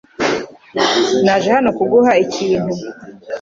Naje hano kuguha ikintu .